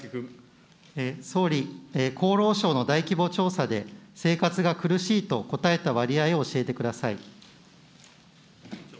総理、厚労省の大規模調査で、生活が苦しいと答えた割合を教えてください。